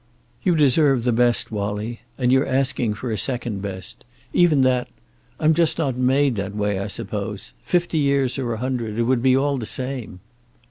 "You deserve the best, Wallie. And you're asking for a second best. Even that I'm just not made that way, I suppose. Fifty years or a hundred, it would be all the same."